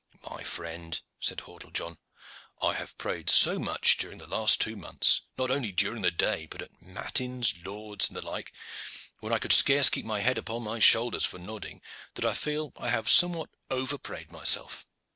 "My friend," said Hordle John, "I have prayed so much during the last two months, not only during the day, but at matins, lauds, and the like, when I could scarce keep my head upon my shoulders for nodding, that I feel that I have somewhat over prayed myself."